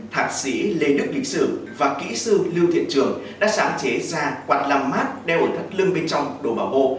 thạc sĩ lê đức đình sử và kỹ sư lưu thiện trường đã sáng chế ra quạt lằm mát đeo ở thắt lưng bên trong đồ bảo bộ